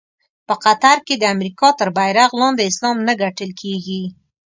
په قطر کې د امریکا تر بېرغ لاندې اسلام نه ګټل کېږي.